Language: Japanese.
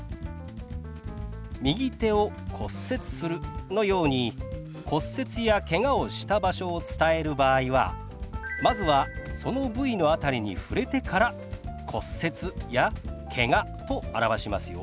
「右手を骨折する」のように骨折やけがをした場所を伝える場合はまずはその部位の辺りに触れてから「骨折」や「けが」と表しますよ。